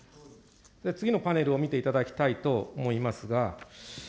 次のパネルを見ていただきたいと思いますが。